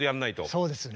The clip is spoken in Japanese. そうですね。